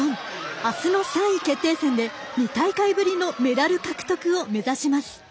あすの３位決定戦で２大会ぶりのメダル獲得を目指します。